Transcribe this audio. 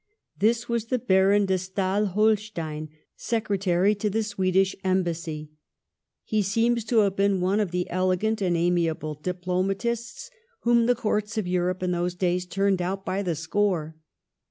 This was the Baron de Stael Holstein, Secre tary to the Swedish Embassy. He seems to have been one of the elegant and amiable diplo matists whom the Courts of Europe in those days turned out by the score.